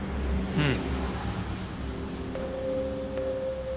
うん。